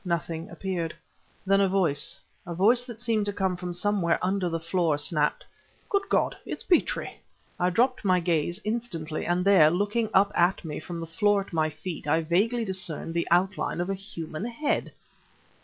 Nothing appeared. Then a voice a voice that seemed to come from somewhere under the floor snapped: "Good God! it's Petrie!" I dropped my gaze instantly ... and there, looking up at me from the floor at my feet, I vaguely discerned the outline of a human head!